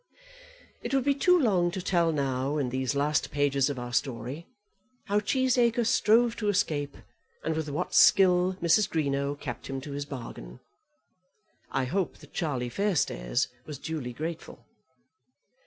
It would be too long to tell now, in these last pages of our story, how Cheesacre strove to escape, and with what skill Mrs. Greenow kept him to his bargain. I hope that Charlie Fairstairs was duly grateful.